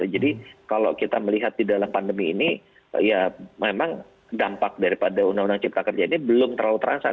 jadi kalau kita melihat di dalam pandemi ini ya memang dampak daripada undang undang cipta kerja ini belum terlalu terang